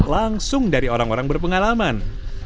langsung dari orang orang berpengalaman